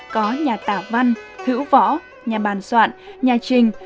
có nhà tả văn hữu võ nhà bàn soạn nhà trình